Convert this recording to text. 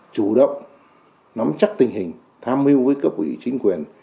chủ động nắm chắc tình hình tham mưu với cấp ủy chính quyền